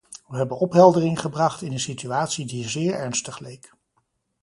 We hebben opheldering gebracht in een situatie die zeer ernstig leek.